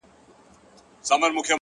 o څنگ ته چي زه درغــــلـم؛